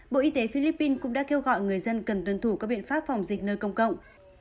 bộ y tế philippines cũng đã kêu gọi người dân cần tuân thủ các biện pháp phòng dịch nơi công cộng